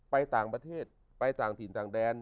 ไปต่างประเทศไปต่างถิ่นต่างแดน